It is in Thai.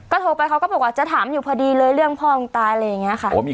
โทรไปเขาก็บอกว่าจะถามอยู่พอดีเลยเรื่องพ่อมึงตายอะไรอย่างนี้ค่ะ